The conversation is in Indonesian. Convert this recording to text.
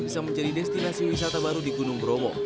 bisa menjadi destinasi wisata baru di gunung bromo